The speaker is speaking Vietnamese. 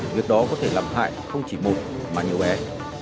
việc đó có thể làm hại không chỉ mùng mà nhiều bé